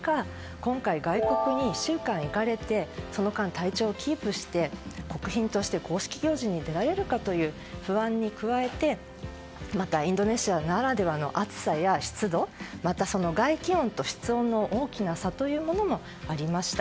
今回、外国に１週間行かれてその間、体調をキープして国賓として公式行事に出られるかという不安に加えてまたインドネシアならではの暑さや湿度また、外気温と室温の大きな差もありました。